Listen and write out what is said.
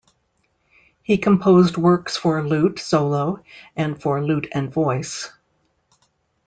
He composed works for lute solo and for lute and voice.